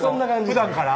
ふだんから？